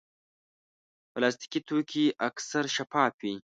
پلاستيکي توکي اکثر شفاف وي.